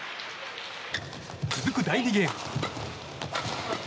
続く第２ゲーム。